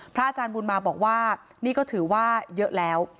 อาจารย์บุญมาบอกว่านี่ก็ถือว่าเยอะแล้ว